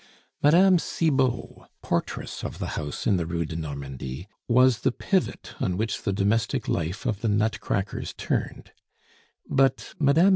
Mme. Cibot, portress of the house in the Rue de Normandie, was the pivot on which the domestic life of the nutcrackers turned; but Mme.